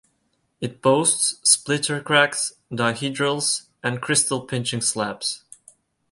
It boasts splitter cracks, dihedrals, and crystal pinching slabs.